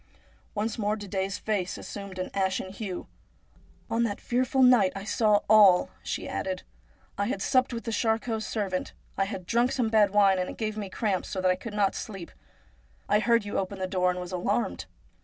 Once more Didet's face assumed an ashen hue. ' On that fearful night I saw all,' she added. ' I had supped with the Charcots' servant. I had drunk some bad wine, and it gave me cramps, so that I could not sleep. I heard you open the door, and was alarmed.